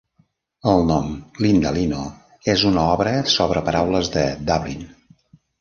El nom Lindalino és una obra sobre paraules de Dublin.